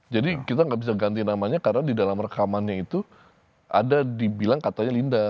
jadi kita gak bisa ganti namanya karena di dalam rekamannya itu ada dibilang katanya linda